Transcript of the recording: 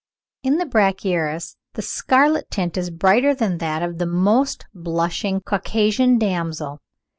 In the Brachyurus the scarlet tint is brighter than that of the most blushing Caucasian damsel.